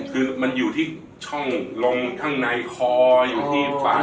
คือมันอยู่ที่ช่องลงข้างในคออยู่ที่ฝั่ง